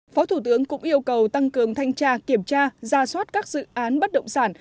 phó thủ tướng cũng yêu cầu tăng cường thanh tra kiểm tra ra soát các dự án bất động sản